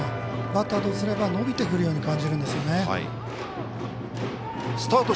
バッターとすれば伸びてくるように感じるんですね。